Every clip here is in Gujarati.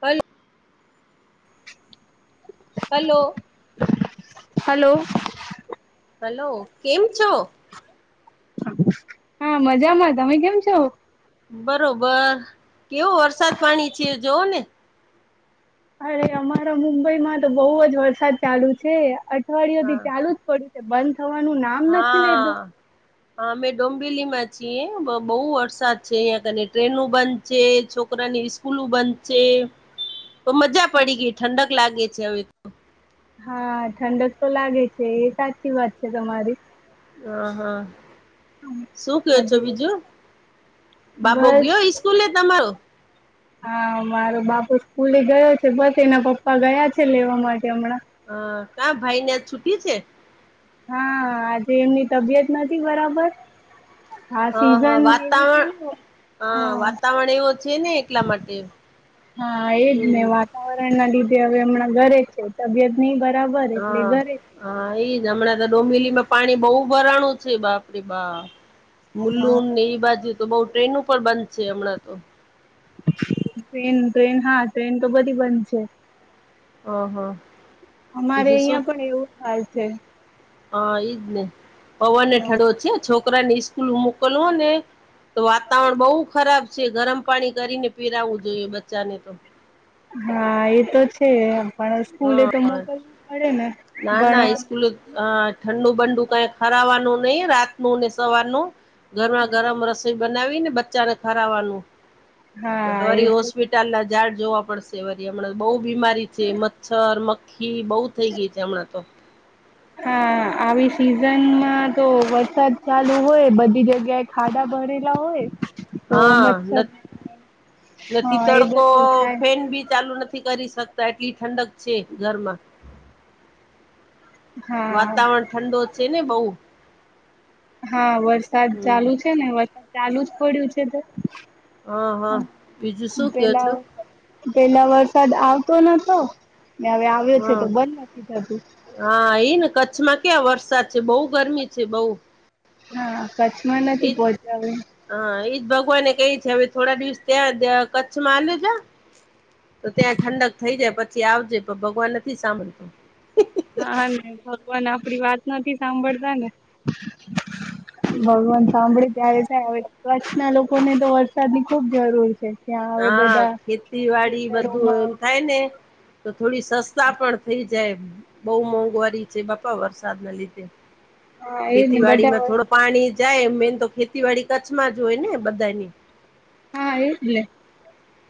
હલો. હલો. હલો. હલો. કેમ છો? હા મજામાં. તમે કેમ છો? બરોબર કેવો વરસાદ પાણી છે જોવો ને. અરે અમારા મુંબઈમાં તો બઉ જ વરસાદ ચાલુ છે અઠવાડિય હા થી ચાલુ જ પડ્યું છે બંધ થવાનું નામ હા નથી લેધો. હા અમે ડોમબેલી માં છીએ બ બહુ વરસાદ છે અહિયાં કને ટ્રેનો બંધ છે છોકરાની ઈ સુલું બંધ છે તો મજા પડી ગઈ ઠંડક લાગે છે હવે તો. હા ઠંડક તો લાગે છે એ સાચી વાત છે તમારી. અ હા. શું કયો છો હજી બીજું. બાબો બસ ગ્યો ઈસ્કૂલે તમારો? [inaudible] હા મારો બાપુ સ્કૂલે ગયો છે બસ એના પપ્પા ગયા છે લેવા માટે હમણાં. અ કા ભાઈ ને આજ છુટી છે? હા આજે એમની તબિયત નથી બરાબર હા હા સીઝન એવી છે વાતાવરણ ને [unintelligible] હા વાતાવરણ એવો છે ને એટલા માટે. હા એજ ને હમ વાત વાતાવરણ ના લીધે હવે હમણાં ઘરે છે તબિયત નહ બરાબર એટલે હા ઘરે. હા એઈજ હમણાં તો ડોબિલી માં પાણી બહુ ભરાણું છે બાપરી બા. મુલ્લુમને એવી બાજુ તો બઉ ટ્રેન પણ બંધ છે હમણાં તો. ટ્રેન ટ્રેન હા ટ્રેન તો બધી બંધ છે. હહા. અમારે અહિયાં પણ એવું હાલ છે. હા એઈજ ને પવન ઠડો છે છોકરા ને સ્સ્કૂલ મોકલવું ને તો વાતાવરણ બહુ ખરાબ છે ગરમ પાણી કરીને પીરાવું જોઈએ બચ્ચાને તો. હા એ તો છે, પણ સ્કૂલે હા તો મોકલવું પડે ને ભણવાનું આ ઠંડુ બંડું કઈ ખરાવાનું નહી રાતનું ને સવારનું, ગરમા ગરમ રસોઈ બનાવીને બચ્ચાને ખરાવાનું, હા એ તોરી તો હોસ્પિટલ ના ઝાડ જોવા પડશે. હમણાં બહુ બીમારી છે મચ્છર મખી બહુ થઈ ગઈ છે હમણાં તો. હા. આવી સિઝનમાં તો વરસાદ ચાલુ હોય બધી જગ્યા એ ખાડાા ભરેલા હોય. તો હા, મચ્છર નથી હા એ તડકો બધું થાય ફેન બી ચાલુ નથી. નથી કરી શકતા એટલી ઠંડક છે ઘરમાં. હા વાતાવરણ ઠંડો છે ને બહ. હા વરસાદ ચાલુ છે ને વરસાદ ચાલુ જ પડ્યું છે. હા હા, બીજું શું કે પેલા છો? પેલા વરસાદ આવતો નતો, ને હવે આવ્યો છે હા તો બલેખીધ હા એ ને કચ્છમાં ક્યા વરસાદ છે બહુ ગરમી છે બઉ. હા કચ્છમાં નથી પહોંચાડે. હા એજ ભગવાને કઈ છે હવે થોડા દિવસ ત્યાં કચ્છમાં આ્યું છે. તો ત્યાં ઠંડક થઈ જાય પછી આવજે પણ ભગવાન નથી સાંભળતો. હા ને ભગવાન આપડી વાત નથી સાંભળતા ને. હ [unintelligible] ભગવાન સાંભળે ત્યારે થાય હવે કચ્છના લોકોને તો વરસાદ ની ખુબ જરૂર છે. ત્યાં હવે હા, બધા ખેતીવાડી બધું એમ ખેતરોમાં થાય ને. તો થોડી સસ્તા પણ થઇ જાય, બહુ મોંઘવારી છે બાપા વરસાદના લીધે. હા એજ ને ખેતીવાડી માં બધા થોડો. પાણી જાય મેન તો ખેતીવાડી કચ્છમાં જ હોય ને બધાની. હા એ,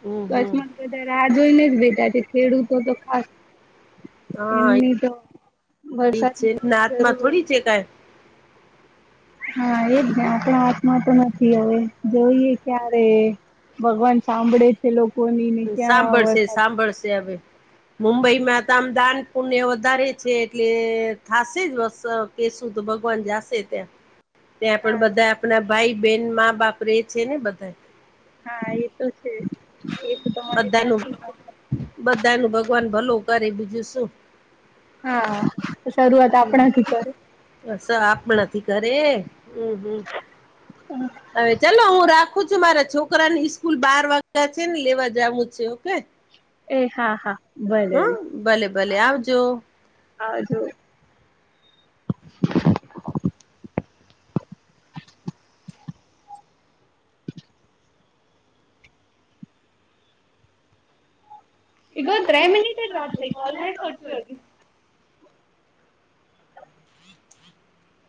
હમ હમ જલેચમાં. બધા રાહ જોઈને જ બેઠા છે ખેડૂતો તો ખાસ. હા એમની તો એ છે વરસાદની ખબ હાથમાં જરૂર. થોડી છે ક [unintelligible] હા એ જ આપણા હાથમાં તો નથી હવે જોઈએ ક્યારે. ભગવાન સાંભળે. લોકોની ને ક્યાં સાંભળ છે વરસાદ સાંભળ છે હવે. મુંબઈમાં તો આમ દાન પુણ્ય વધારે છે, એટલે થશે જ વ કે સુ તો ભગવાન જશે ત્યાં. ત્યાં હા પણ બધા આપણા ભાઈ બેહેન મા બાપ રે છે ને બધા. હા એ તો છે, એ તો તમારી સાચી. બધા ન ભગવાન ભલો કરે બીજું શું. હા. તો આપણાથી ડરે? સા આપણાથી ડરે. હવે ચાલો હું રાખું છું, મારા છોકરાની સ્કૂલ બાર વાગ્યા છે ને, લેવા જવું છે, ઓકે. એ હા, હા. ભલે હમ્મ, ભલે ભલે. આવજો. આવજો. હા [unintelligible]